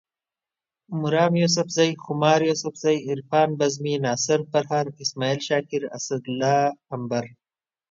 مرام یوسفزے، خمار یوسفزے، عرفان بزمي، ناصر پرهر، اسماعیل شاکر، اسدالله امبر